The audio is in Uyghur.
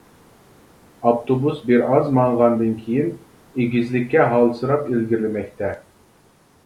ئاپتوبۇس بىر ئاز ماڭغاندىن كېيىن ئېگىزلىككە ھالسىراپ ئىلگىرىلىمەكتە.